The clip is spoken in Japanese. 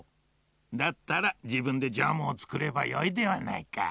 だったらじぶんでジャムをつくればよいではないか。